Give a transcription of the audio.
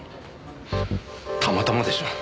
たまたまでしょう。